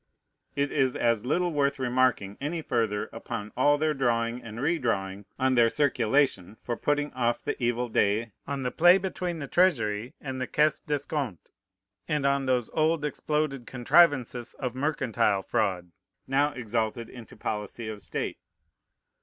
It is as little worth remarking any farther upon all their drawing and re drawing, on their circulation for putting off the evil day, on the play between the Treasury and the Caisse d'Escompte, and on all these old, exploded contrivances of mercantile fraud, now exalted into policy of state.